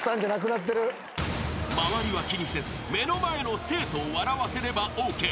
［周りは気にせず目の前の生徒を笑わせればＯＫ］